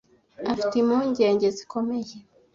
afite impungenge zikomeye.